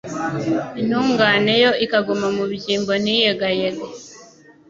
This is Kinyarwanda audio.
intungane yo ikaguma mu byimbo ntiyegayege